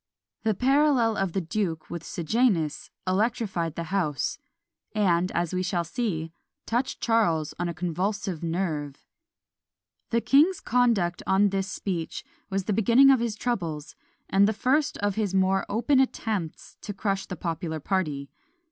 The parallel of the duke with Sejanus electrified the house; and, as we shall see, touched Charles on a convulsive nerve. The king's conduct on this speech was the beginning of his troubles, and the first of his more open attempts to crush the popular party.